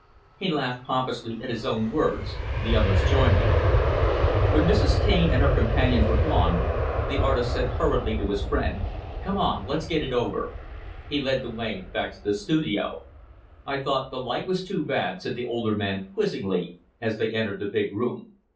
He laughed pompously at his own words the others joining. When Mrs. Taine and her companions were gone, the artist said hurriedly to his friend, "Come on, let's get it over." He led the way back to the studio. "I thought the light was too bad," said the older man, quizzingly, as they entered the big room.